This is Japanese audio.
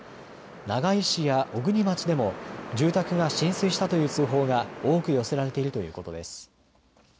長井市や小国町でも住宅が浸水したという通報が多く寄せられているということです。